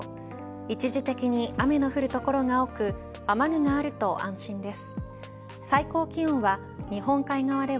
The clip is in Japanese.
一時的に雨の降る所が多く雨具があると安心です。